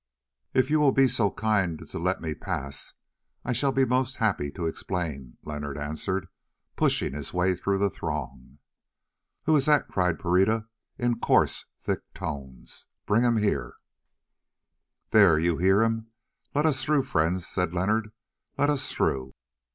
"If you will be so kind as to let me pass, I shall be most happy to explain," Leonard answered, pushing his way through the throng. "Who is that?" cried Pereira in coarse, thick tones. "Bring him here." "There, you hear him—let us through, friends," said Leonard, "let us through!"